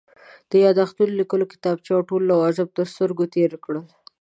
د یادښت لیکلو کتابچې او ټول لوازم تر سترګو تېر کړل.